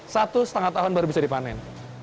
satu setengah tahun baru bisa dipanen